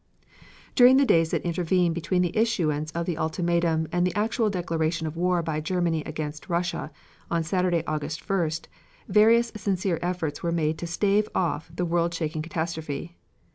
During the days that intervened between the issuance of the ultimatum and the actual declaration of war by Germany against Russia on Saturday, August 1st, various sincere efforts were made to stave off the world shaking catastrophe.